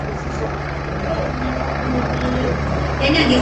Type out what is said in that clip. Na inakadiriwa kafanya mauzo ya rekodi zaidi ya milioni mia saba na hamsini